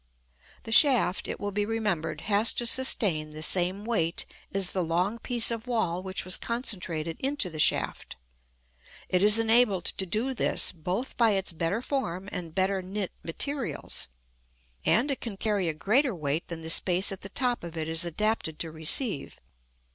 The shaft, it will be remembered, has to sustain the same weight as the long piece of wall which was concentrated into the shaft; it is enabled to do this both by its better form and better knit materials; and it can carry a greater weight than the space at the top of it is adapted to receive.